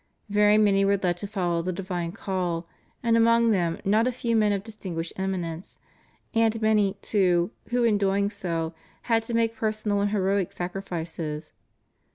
Very many were led to follow the divine call, and among them not a few men of distinguished eminence, and many, too, who in doing so had to make personal and heroic sacri fices.